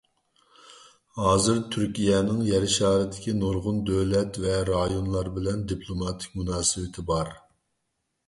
ھازىر تۈركىيەنىڭ يەر شارىدىكى نۇرغۇن دۆلەت ۋە رايونلار بىلەن دىپلوماتىك مۇناسىۋىتى بار.